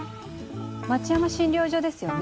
町山診療所ですよね？